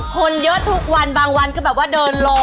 คนเยอะทุกวันบางวันก็แบบว่าเดินรอ